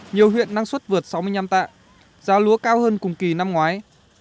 nhiều huyện năng suất vượt sáu mươi năm tạ giá lúa cao hơn cùng kỳ năm ngoái